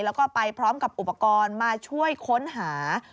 แล้วก็ไปพร้อมกับอุปกรณ์มาช่วยค้นหา